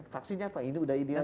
vaksinnya apa ini udah ideal